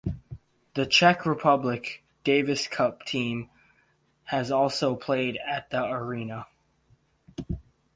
The Czech Republic Davis Cup team has also played at the arena.